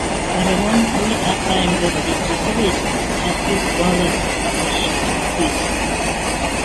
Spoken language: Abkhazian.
Фараон, уи аԥааимбар диҿагылеит, ҳаргьы ӷәӷәала дахьҳархәит.